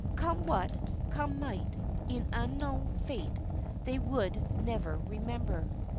Come what, come might, in unknown Fate, they would never remember.